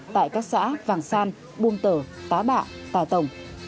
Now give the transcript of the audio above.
tại các xã vàng san buông tở tá bạ tà tổng